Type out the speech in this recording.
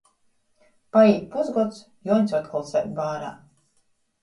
Paīt pusgods, Juoņs otkon sēd bārā.